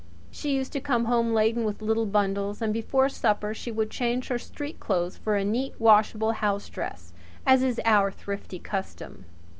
She used to come home laden with little bundles; and before supper she would change her street clothes for a neat, washable housedress, as is our thrifty custom.